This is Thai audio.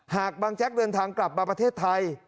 บางแจ๊กเดินทางกลับมาประเทศไทย